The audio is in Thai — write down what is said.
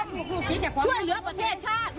ช่วยเหลือประเทศชาตรไม่ใช่มาองค์แบบนี้